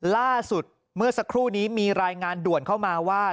ล่าสุดเมื่อสักครู่นี้มีรายงานด่วนเข้ามาว่า